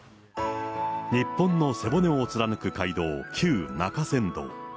日本の背骨を貫く街道、旧中山道。